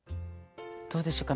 どうでしょうか？